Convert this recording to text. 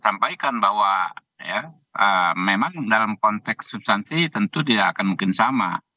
sampaikan bahwa ya memang dalam konteks substansi tentu tidak akan mungkin sama